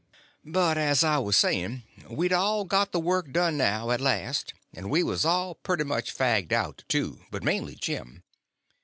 But as I was saying, we'd got all the work done now, at last; and we was all pretty much fagged out, too, but mainly Jim.